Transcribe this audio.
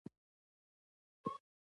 څنگه بې غيرتي.